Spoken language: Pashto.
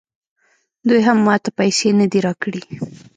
دوی هم ماته پیسې نه دي راکړي